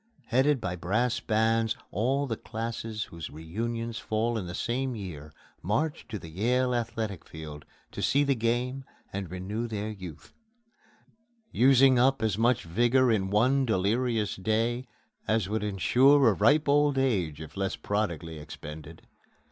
Headed by brass bands, all the classes whose reunions fall in the same year march to the Yale Athletic Field to see the game and renew their youth using up as much vigor in one delirious day as would insure a ripe old age if less prodigally expended.